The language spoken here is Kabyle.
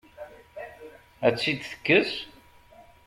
Ad tt-id-tekkes?